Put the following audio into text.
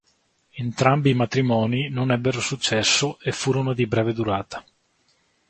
Entrambi i matrimoni non ebbero successo e furono di breve durata.